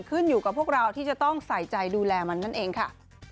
ขึ้นอยู่กับพวกเราที่จะต้องใส่ใจดูแลมันนั่นเองค่ะ